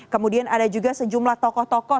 kemudian ada juga sejumlah tokoh tokoh